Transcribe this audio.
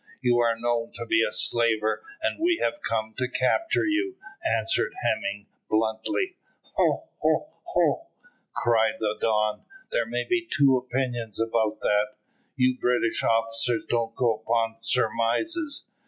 "You are known to be a slaver, and we have come to capture you," answered Hemming, bluntly. "Ho, ho, ho," cried the Don; "there may be two opinions about that. You British officers don't go upon surmises.